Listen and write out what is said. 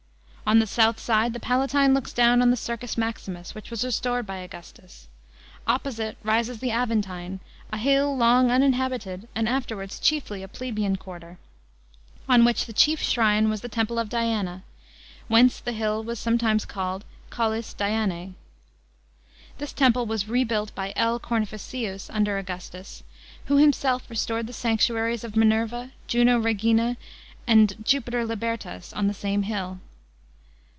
On the south sid« the Palatine looks down on the Circus Maximus, which was restored by Augustus. Opposite rises the Aventine, a hill long uninhab ted and afterwards chiefly a plebeian * TrUtvi, iiL 1. 63. 148 BOMB UNDER AUGUSTUS. CHAP. x. quarter, on which the chief shrine was the temple of Diana, whence the hill was sometimes called oottis Dianse. This temple was rebuilt by L. Cornificius under Augustus, who himself restored the sanctuaries of Minerva, Juno Regina, and Jupiter Libertas on the same hill.